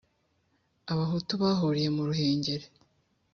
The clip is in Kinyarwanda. b abahutu bahuriye mu ruhengeri